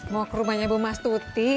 mau ke rumahnya ibu mas tuti